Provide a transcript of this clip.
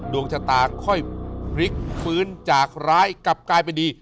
ดวงชะตาค่อยพลิกฟื้นจากร้ายกลับกลายเป็นดี